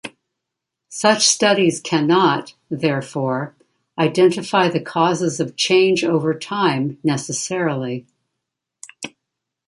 Such studies cannot, therefore, identify the causes of change over time necessarily.